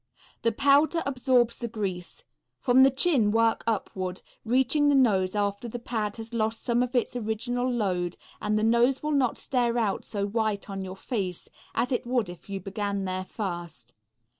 The powder absorbs the grease. From the chin work upward, reaching the nose after the pad has lost some of its original load, and the nose will not stare out so white on your face as it would if you began there first.